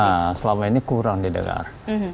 nah selama ini kurang didengar